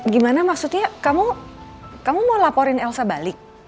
gimana maksudnya kamu mau laporin elsa balik